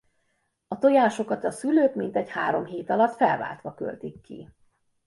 A tojásokat a szülők mintegy három hét alatt felváltva költik ki.